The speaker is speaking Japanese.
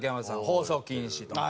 「放送禁止」とか。